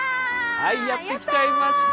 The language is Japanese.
はいやって来ちゃいました。